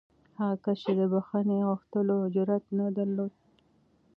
هغه کس د بښنې غوښتلو جرات نه درلود.